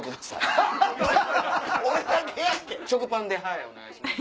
食パンでお願いします。